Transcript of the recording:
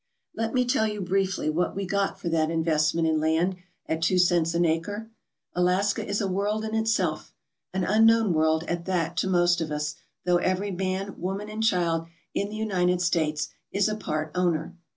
Let me tell you briefly what we got for that investment in land at two cents an acre. Alaska is a world in itself, an unknown world at that to most of us, though every man, woman, and child in the United States is a part owner.